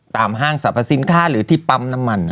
ห้างสรรพสินค้าหรือที่ปั๊มน้ำมัน